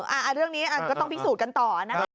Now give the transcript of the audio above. เรื่องนี้ก็ต้องพิสูจน์กันต่อนะคะ